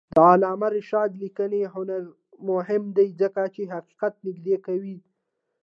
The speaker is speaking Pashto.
د علامه رشاد لیکنی هنر مهم دی ځکه چې حقیقت نږدې کوي.